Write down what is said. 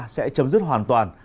sẽ chấm dứt hoàn toàn